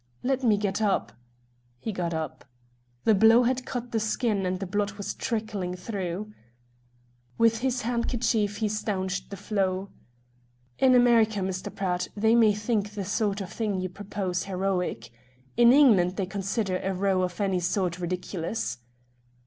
"Let me get up." He got up. The blow had cut the skin, and the blood was trickling through. With his handkerchief he staunched the flow. "In America, Mr. Pratt, they may think the sort of thing that you propose heroic. In England they consider a row of any sort ridiculous."